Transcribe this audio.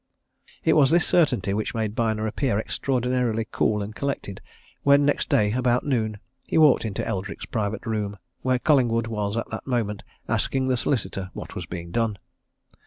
It was this certainty which made Byner appear extraordinarily cool and collected, when next day, about noon, he walked into Eldrick's private room, where Collingwood was at that moment asking the solicitor what was being done.